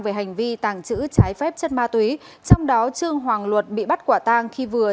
về hành vi tàng trữ trái phép chất ma túy trong đó trương hoàng luật bị bắt quả tang khi vừa